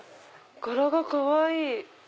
柄がかわいい！